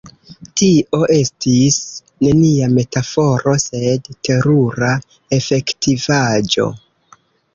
Tio estis nenia metaforo, sed terura efektivaĵo.